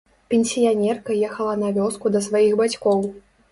Пенсіянерка ехала на вёску да сваіх бацькоў.